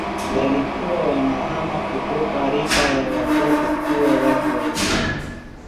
Walikuwa wanahama kutoka rika ya watoto kuwa watu wazima